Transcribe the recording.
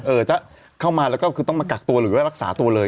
จะเข้ามาแล้วก็คือต้องมากักตัวหรือว่ารักษาตัวเลย